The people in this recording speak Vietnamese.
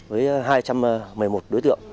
với hai trăm một mươi một đối tượng